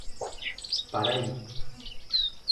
Paraí